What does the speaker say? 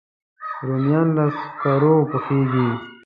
رومیان له سکرو پخېږي